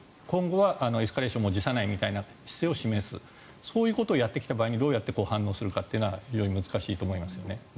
今後はエスカレーションも辞さないというような姿勢を示すそういうことをやってきた場合にどう反応するのかっていうのは非常に難しいと思います。